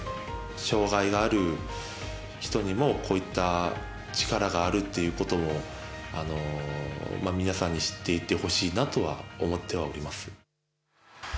障がいがある人にもこういった力があるということも皆さんに知っていってほしいなとは思ってはおります。